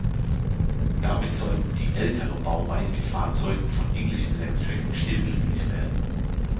Damit sollten die ältere Baureihe mit Fahrzeugen von English Electric stillgelegt werden.